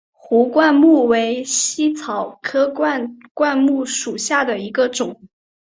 壶冠木为茜草科壶冠木属下的一个种。